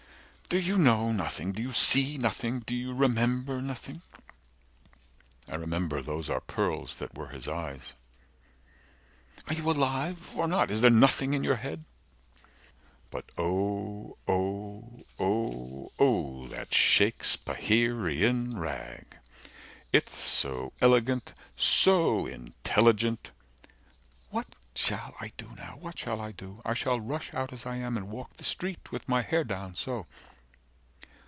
120 "Do You know nothing? Do you see nothing? Do you remember Nothing?" I remember Those are pearls that were his eyes. 125 "Are you alive, or not? Is there nothing in your head?" But O O O O that Shakespeherian Rag— It's so elegant So intelligent 130 "What shall I do now? What shall I do? I shall rush out as I am, and walk the street With my hair down, so.